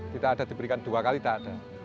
tidak ada diberikan dua kali tak ada